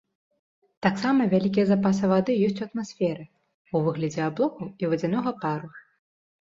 Таксама вялікія запасы вады ёсць у атмасферы, у выглядзе аблокаў і вадзянога пару.